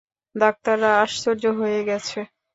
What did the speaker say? ডাক্তাররা আশ্চর্য হয়ে গেছে।